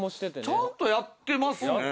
ちゃんとやってますね。